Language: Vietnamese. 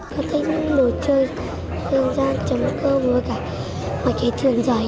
các em thích đồ chơi dân gian chấm cơm với cả mấy cái thuyền giấy